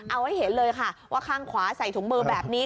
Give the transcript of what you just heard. เอาให้เห็นเลยค่ะว่าข้างขวาใส่ถุงมือแบบนี้